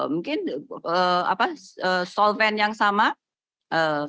mungkin bahan bahan yang berbeda